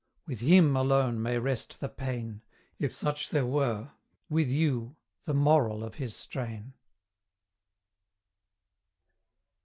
with HIM alone may rest the pain, If such there were with YOU, the moral of his strain.